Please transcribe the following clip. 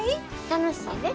楽しいで。